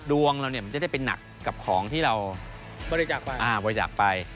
ดวงเราจะได้เป็นหนักกับของที่เราบริจักษ์ไป